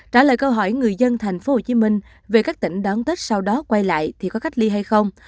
trả lời câu hỏi người dân thành phố hồ chí minh về các tỉnh đón tết sau đó quay lại thì có cách ly hay không